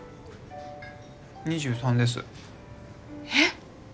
２３ですえっ！？